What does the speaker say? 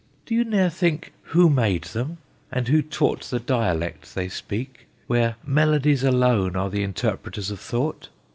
Do you ne'er think who made them, and who taught The dialect they speak, where melodies Alone are the interpreters of thought?